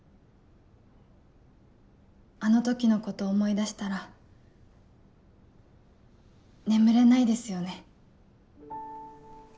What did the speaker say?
あの時のこと思い出したら眠れないですよね。